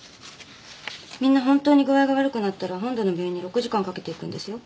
みんな本当に具合が悪くなったら本土の病院に６時間かけて行くんですよ。